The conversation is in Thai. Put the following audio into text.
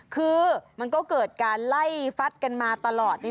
คือมันก็เกิดการไล่ฟัดกันมาตลอด